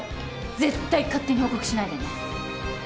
絶対勝手に報告しないでね